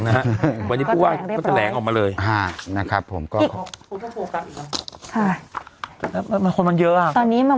ขนาดกองถ่าย๓๔๐คนเองยังเจอเลยไหม